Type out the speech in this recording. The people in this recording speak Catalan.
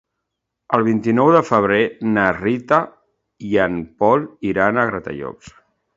El vint-i-nou de febrer na Rita i en Pol iran a Gratallops.